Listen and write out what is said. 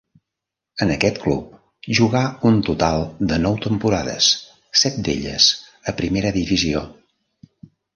En aquest club jugà un total de nou temporades, set d'elles a primera divisió.